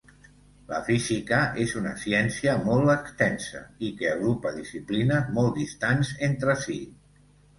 La física és una ciència molt extensa i que agrupa disciplines molt distants entre si.